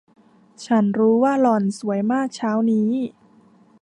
ฉันรู้ว่าหล่อนสวยมากเช้านี้